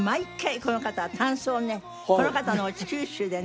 この方のおうち九州でね